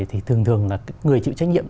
thì thường thường là người chịu trách nhiệm